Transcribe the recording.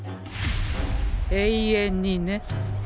永遠にね。